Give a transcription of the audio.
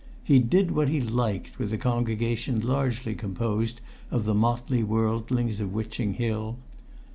He did what he liked with a congregation largely composed of the motley worldlings of Witching Hill.